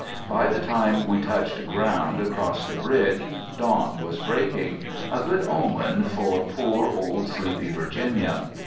By the time we touched ground across the bridge, dawn was breaking, a good omen for poor old sleepy Virginia.